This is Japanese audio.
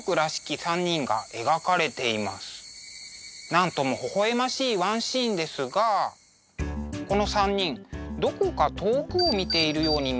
なんともほほ笑ましいワンシーンですがこの３人どこか遠くを見ているように見えますね。